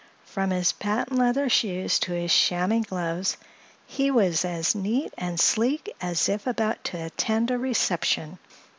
From his patent leather shoes to his chamois gloves he was as neat and sleek as if about to attend a reception.